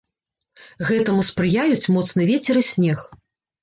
Гэтаму спрыяюць моцны вецер і снег.